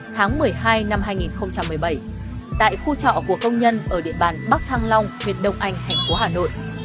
tháng một mươi hai năm hai nghìn một mươi bảy tại khu trọ của công nhân ở địa bàn bắc thăng long huyện đông anh thành phố hà nội